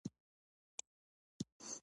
الوتکه د دوړو نه پاکه هوا کې الوزي.